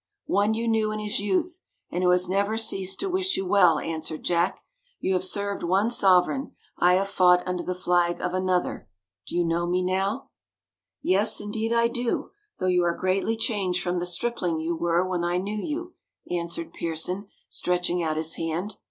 "One you knew in his youth, and who has never ceased to wish you well," answered Jack. "You have served one sovereign I have fought under the flag of another. Do you know me now?" "Yes, indeed I do; though you are greatly changed from the stripling you were when I knew you," answered Pearson, stretching out his hand.